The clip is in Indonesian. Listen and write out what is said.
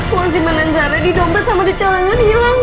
wangziman anzara didombret sama di calangan hilang bu